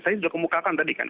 saya sudah kemukakan tadi kan